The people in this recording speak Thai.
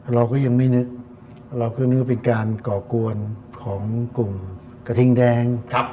เราก็ยังไม่นึกเราก็นึกว่าเป็นการก่อกวนของกลุ่มกระทิงแดง